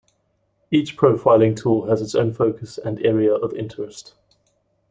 Each profiling tool has its own focus and area of interest.